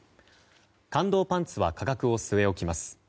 感動パンツは価格を据え置きます。